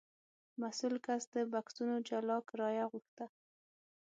مسوول کس د بکسونو جلا کرایه غوښته.